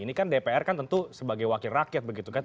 ini kan dpr kan tentu sebagai wakil rakyat begitu kan